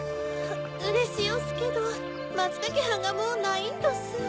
うれしおすけどマツタケはんがもうないんどす。